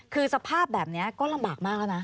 คือสภาพแบบนี้ก็ลำบากมากแล้วนะ